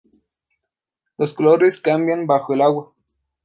Los colores cambian bajo el agua.